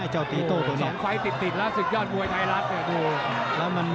ไอ้เจ้าตีโตตัวเนี้ยสองไฟติดติดแล้วสุกยอดมั่ยไทยล่ะ